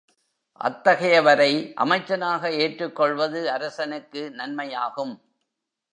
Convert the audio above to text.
அத்தகையவரை அமைச்சனாக ஏற்றுக்கொள்வது அரசனுக்கு நன்மையாகும்.